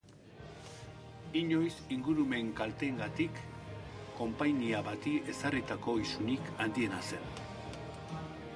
Inoiz ingurumen kalteengatik konpainia bati ezarritako isunik handiena zen.